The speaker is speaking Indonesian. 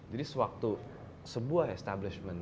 jadi sewaktu sebuah establishment